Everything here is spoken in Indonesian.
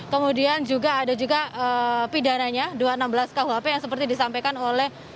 kemudian juga ada juga pidananya dua ratus enam belas kuhp yang seperti disampaikan oleh